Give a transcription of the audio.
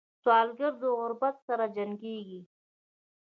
سوالګر د غربت سره جنګېږي